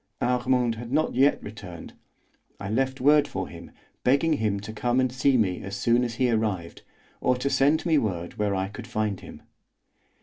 Armand had not yet returned. I left word for him, begging him to come and see me as soon as he arrived, or to send me word where I could find him.